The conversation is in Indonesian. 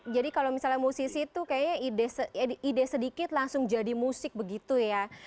jadi kalau misalnya musisi itu kayaknya ide sedikit langsung jadi musik begitu ya